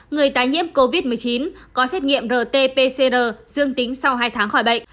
người tái nhiễm covid một mươi chín có xét nghiệm rt pcr dương tính sau hai tháng khỏi bệnh